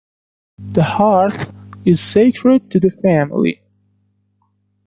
The hearth is sacred to the family.